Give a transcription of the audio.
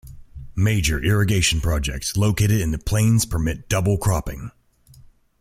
Major irrigation projects located in the plains permit double-cropping.